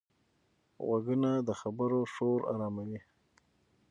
غوږونه د خبرو شور آراموي